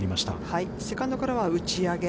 セカンドからは打ち上げ。